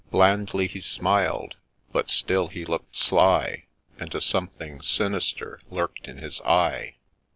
— Blandly he smil'd, but still he looked sly, And a something sinister lurk'd in his eye.